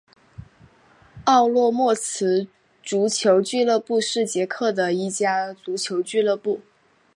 奥洛莫茨足球俱乐部是捷克的一家足球俱乐部。